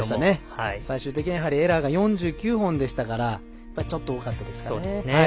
最終的にはエラーが４９本でしたからちょっと多かったですかね。